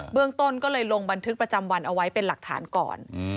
เรื่องต้นก็เลยลงบันทึกประจำวันเอาไว้เป็นหลักฐานก่อน